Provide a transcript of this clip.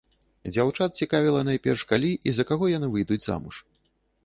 Дзяўчат цікавіла найперш, калі і за каго яны выйдуць замуж.